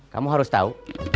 kamu harus tahu